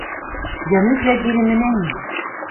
Яны глядзелі на мяне!